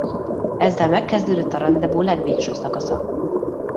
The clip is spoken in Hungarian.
Ezzel megkezdődött a randevú legvégső szakasza.